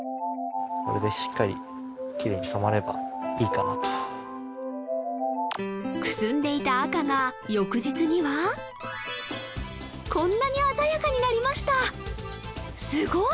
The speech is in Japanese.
これでしっかりきれいに染まればいいかなとくすんでいた赤が翌日にはこんなに鮮やかになりましたすごい！